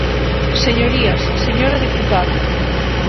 Señorías, señora deputada.